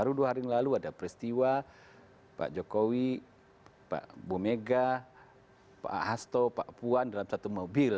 tadi dua hari lalu ada peristiwa pak jokowi pak bomega pak hasto pak puan dalam satu mobil